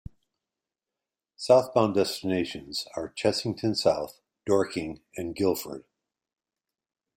Southbound destinations are Chessington South, Dorking and Guildford.